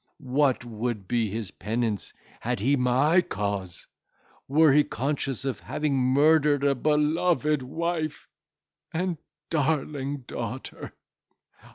What would be his penance, had he my cause! were he conscious of having murdered a beloved wife and darling daughter!